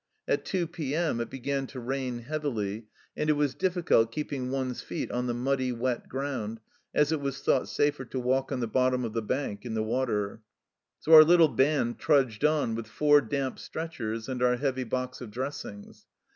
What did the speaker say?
At 2 p.m. it began to rain heavily, and it was difficult keeping one's feet on the muddy, wet ground, as it was thought safer to walk on the bottom of the bank in the water. IN THE THICK OF A BATTLE 27 " So our little band trudged on with four damp stretchers and our heavy box of dressings.